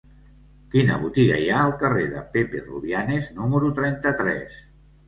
Quina botiga hi ha al carrer de Pepe Rubianes número trenta-tres?